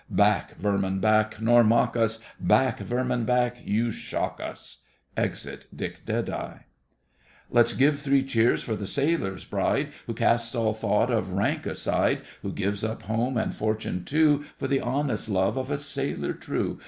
Back, vermin, back, Nor mock us! Back, vermin, back, You shock us! [Exit DICK Let's give three cheers for the sailor's bride Who casts all thought of rank aside— Who gives up home and fortune too For the honest love of a sailor true!